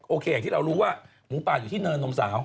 อย่างที่เรารู้ว่าหมูป่าอยู่ที่เนินนมสาว